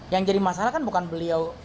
yang jadi masalah kan bukan beliau